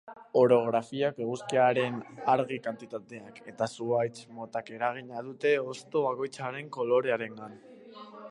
Orografiak, eguzkiaren argi kantitateak eta zuhaitz motak eragina dute hosto bakoitzaren kolorearengan.